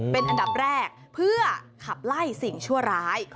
เป็นอันดับแรกเพื่อขับไล่สิ่งชั่วร้าย